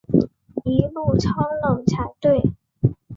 一路超冷才对